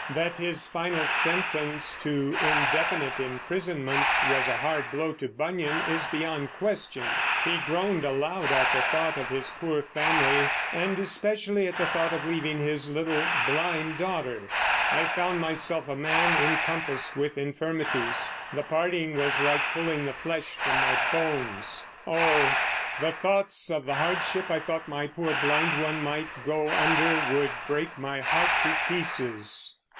That his final sentence to indefinite imprisonment was a hard blow to Bunyan is beyond question. He groaned aloud at the thought of his poor family, and especially at the thought of leaving his little blind daughter: I found myself a man encompassed with infirmities; the parting was like pulling the flesh from my bones.... Oh, the thoughts of the hardship I thought my poor blind one might go under would break my heart to pieces.